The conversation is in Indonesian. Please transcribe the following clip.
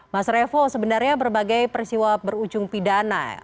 mas revo sebenarnya berbagai persiwa berujung pidana